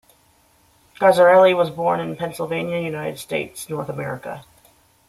Garzarelli was born in Pennsylvania, United States, North America.